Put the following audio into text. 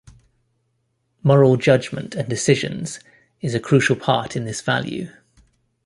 Moral judgement and decisions is a crucial part in this value.